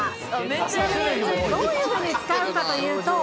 ちなみに、どういうふうに使うかというと。